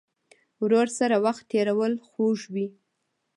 ورور سره وخت تېرول خوږ وي.